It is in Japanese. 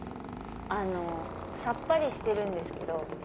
さっぱりしてるんですけど。